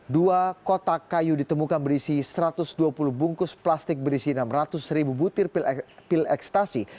dua kotak kayu ditemukan berisi satu ratus dua puluh bungkus plastik berisi enam ratus ribu butir pil ekstasi